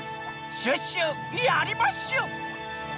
「シュッシュやりまッシュ！」。